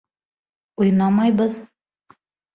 Уйнамайбыҙ!